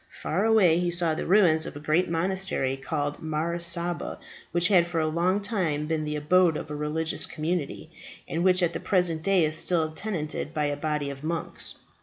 Far away he saw the ruins of a great monastery, called Mar Saba, which had for a long time been the abode of a religious community, and which at the present day is still tenanted by a body of monks.